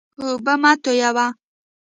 اوبه مه تویوه.